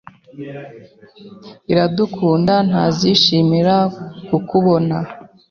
Iradukunda ntazishimira kukubona.